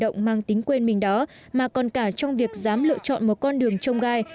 hoạt động mang tính quên mình đó mà còn cả trong việc dám lựa chọn một con đường trông gai